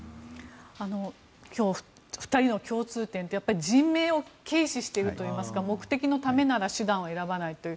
今日、２人の共通点って人命を軽視しているといいますか目的のためなら手段を選ばないと。